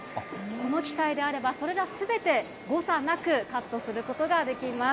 この機械であれば、これがすべて誤差なくカットすることができます。